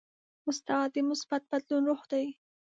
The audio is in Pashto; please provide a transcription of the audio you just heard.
استاد د مثبت بدلون روح دی.